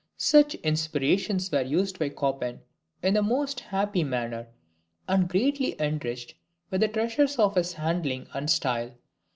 Such inspirations were used by Chopin in the most happy manner, and greatly enriched with the treasures of his handling and style.